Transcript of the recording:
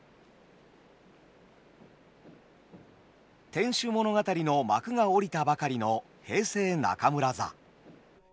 「天守物語」の幕が下りたばかりの平成中村座。